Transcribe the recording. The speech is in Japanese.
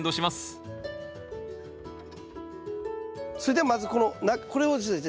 それではまずこれをですね